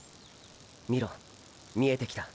見ろ見えてきた。